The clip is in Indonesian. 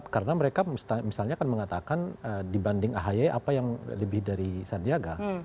karena mereka misalnya kan mengatakan dibanding ahy apa yang lebih dari sandiaga